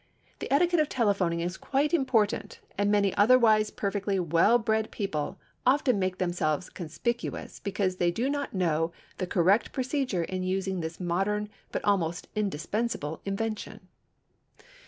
The etiquette of telephoning is quite important and many otherwise perfectly well bred people often make themselves conspicuous because they do not know the correct procedure in using this modern but almost indispensable invention.